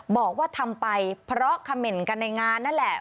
บอกว่าทำไปเพราะเขม่นกันในงานนั่นแหละ